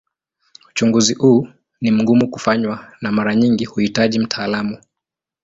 Uchunguzi huu ni mgumu kufanywa na mara nyingi huhitaji mtaalamu.